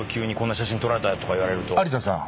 有田さん